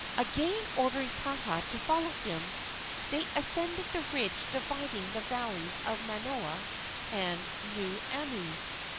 Again ordering Kaha to follow him, they ascended the ridge dividing the valleys of Manoa and Nuuanu.